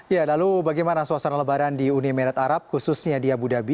ya lalu bagaimana suasana lebaran di uni emirat arab khususnya di abu dhabi